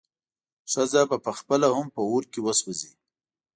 ښځه به پخپله هم په اور کې وسوځي.